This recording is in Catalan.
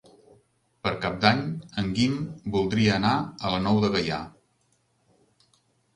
Per Cap d'Any en Guim voldria anar a la Nou de Gaià.